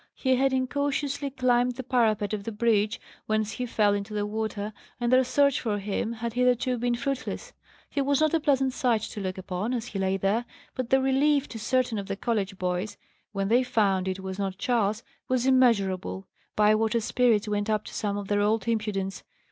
He had incautiously climbed the parapet of the bridge, whence he fell into the water, and their search for him had hitherto been fruitless. He was not a pleasant sight to look upon, as he lay there; but the relief to certain of the college boys, when they found it was not Charles, was immeasurable. Bywater's spirits went up to some of their old impudence.